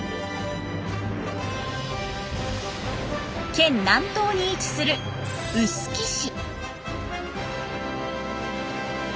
県南東に位置する臼杵市。